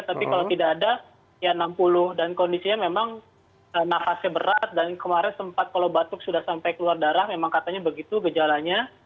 tapi kalau tidak ada ya enam puluh dan kondisinya memang nafasnya berat dan kemarin sempat kalau batuk sudah sampai keluar darah memang katanya begitu gejalanya